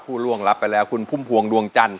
ผู้ล่วงรับไปแล้วคุณพุ่มพวงดวงจันท